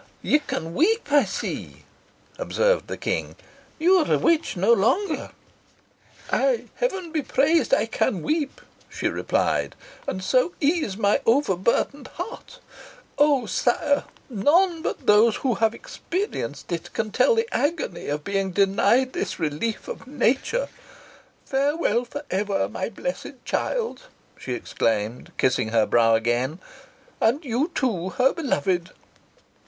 "You can weep, I see," observed the King. "You are a witch no longer." "Ay, Heaven be praised! I can weep," she replied; "and so ease my over burthened heart. Oh! sire, none but those who have experienced it can tell the agony of being denied this relief of nature. Farewell for ever, my blessed child!" she exclaimed, kissing her brow again; "and you, too, her beloved.